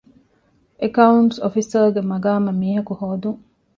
އެކައުންޓްސް އޮފިސަރގެ މަގާމަށް މީހަކު ހޯދުން